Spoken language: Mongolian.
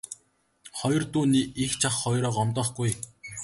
Хоёр дүү нь эгч ах хоёроо гомдоохгүй ээ.